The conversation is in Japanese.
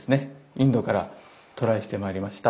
インドから渡来してまいりました